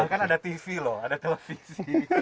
kan ada tv loh ada televisi